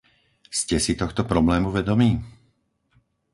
Ste si tohto problému vedomý?